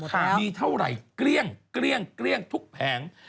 ค่ะนี่เท่าไหร่เกรี้ยงทุกแผง